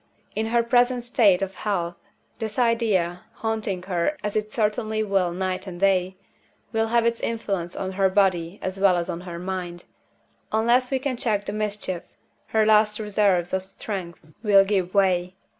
In her present state of health this idea (haunting her as it certainly will night and day) will have its influence on her body as well as on her mind. Unless we can check the mischief, her last reserves of strength will give way.